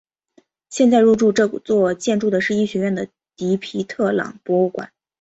现在入驻这座建筑的是医学院的迪皮特朗博物馆。